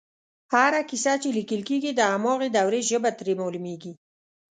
هره کیسه چې لیکل کېږي د هماغې دورې ژبه ترې معلومېږي